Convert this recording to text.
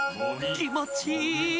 きもちいい！